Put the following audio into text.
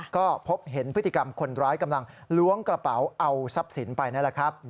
ก็พบเห็นพฤติกรรมคนร้ายกำลังล้วงกระเป๋าเอาทรัพย์สินไปนั่นแหละครับ